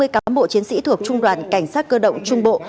hai trăm năm mươi cám bộ chiến sĩ thuộc trung đoàn cảnh sát cơ động trung bộ